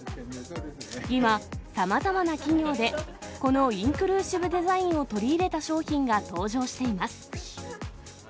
今、さまざまな企業で、このインクルーシブデザインを取り入れた商品が登場しています。